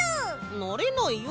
なれないよ